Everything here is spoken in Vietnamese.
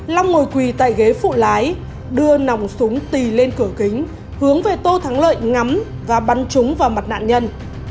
long ngồi quỳ tại ghế phụ lái đưa nòng súng tì lên cửa kính hướng về tô thắng lợi ngắm và bắn trúng vào mặt nạn nhân